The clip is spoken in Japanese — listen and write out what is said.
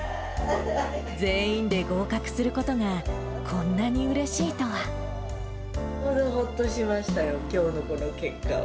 全員で合格することが、ほっとしましたよ、きょうのこの結果は。